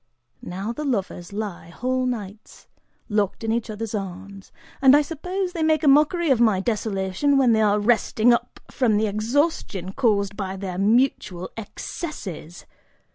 Now the lovers lie whole nights, locked in each other's arms, and I suppose they make a mockery of my desolation when they are resting up from the exhaustion caused by their mutual excesses.